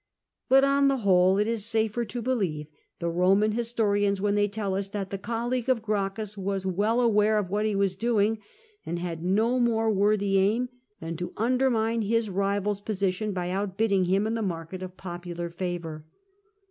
But on the whole it is safer to believe the Roman historians when they tell us that the colleague of Gracchus was well aware of what he was doing, and had no more worthy aim than to undermine his rivaFs position by out biding him in the market of popular favour.